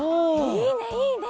いいねいいね！